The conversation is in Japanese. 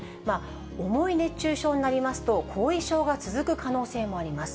重い熱中症になりますと、後遺症が続く可能性もあります。